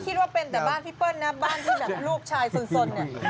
คิดว่าเป็นแต่บ้านพี่เปิ้ลนะบ้านที่แบบลูกชายสนเนี่ย